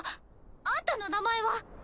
あんたの名前は？